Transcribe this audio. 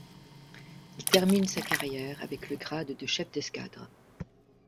Il termine sa carrière avec le grade de chef d'escadre.